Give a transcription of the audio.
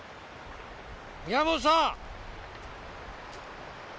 宮元さん！